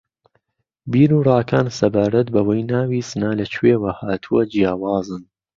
بیر و ڕاکان سەبارەت بەوەی ناوی سنە لە کوێوە ھاتووە جیاوازن